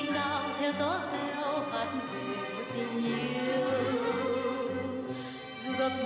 mà tình thương đôi nhau